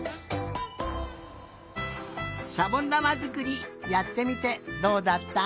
しゃぼんだまづくりやってみてどうだった？